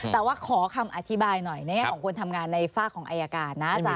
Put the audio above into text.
แต่ว่าขอคำอธิบายหน่อยในแง่ของคนทำงานในฝากของอายการนะอาจาร